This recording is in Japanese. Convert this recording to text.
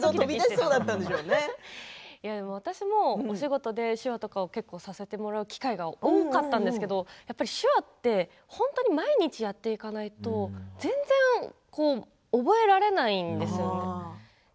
私もお仕事で手話とかをさせてもらう機会が多かったんですけどやっぱり手話って本当に毎日やっていかないと全然覚えられないんですよね。